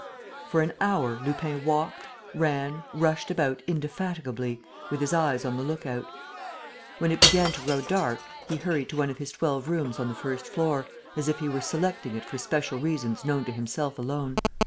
For an hour, Lupin walked, ran, rushed about indefatigably, with his eyes on the look out. When it began to grow dusk, he hurried to one of his twelve rooms on the first floor, as if he were selecting it for special reasons known to himself alone.